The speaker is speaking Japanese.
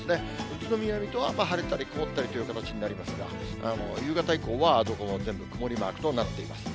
宇都宮、水戸は、晴れたり曇ったりという形になりますが、夕方以降はどこも全部曇りマークとなっています。